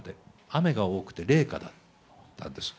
雨が多くて冷夏だったんです。